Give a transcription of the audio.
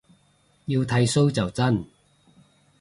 要剃鬚就真